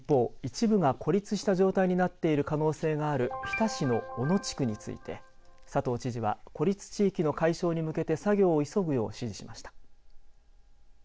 一方、一部が孤立した状態になっている可能性がある日田市の小野地区について佐藤知事は孤立地域の解消に向けて作業を急ぐよう指示しました。